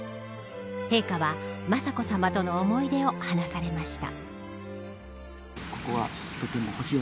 陛下は雅子さまとの思い出を話されました。